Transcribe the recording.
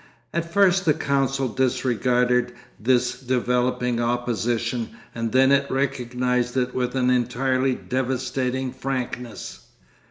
At first the council disregarded this developing opposition, and then it recognised it with an entirely devastating frankness.